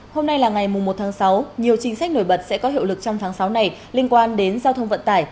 hôm nay là ngày một tháng sáu nhiều chính sách nổi bật sẽ có hiệu lực trong tháng sáu này liên quan đến giao thông vận tải